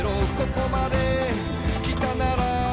「ここまで来たなら」